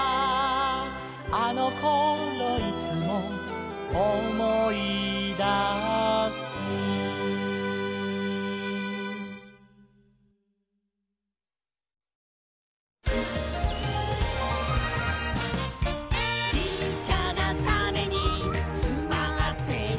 「あのころいつも」「おもいだす」「ちっちゃなタネにつまってるんだ」